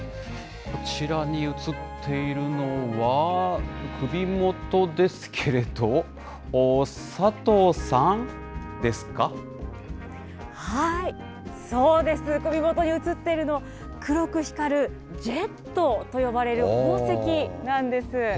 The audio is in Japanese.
こちらに映っているのは首元ですけれど、そうです、首元に映っているのは、黒く光るジェットと呼ばれる宝石なんです。